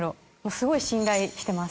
すごい信頼してます。